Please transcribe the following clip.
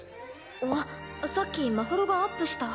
あっさっきまほろがアップした。